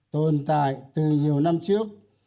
tồn tại từ nhiều năm trước